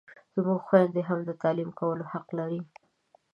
زموږ خویندې هم د تعلیم کولو حق لري!